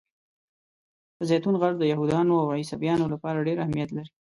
د زیتون غر د یهودانو او عیسویانو لپاره ډېر اهمیت لري.